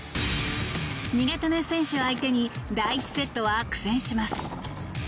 苦手な選手相手に第１セットは苦戦します。